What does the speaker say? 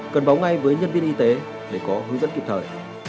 cần báo ngay với nhân viên y tế để có hướng dẫn kịp thời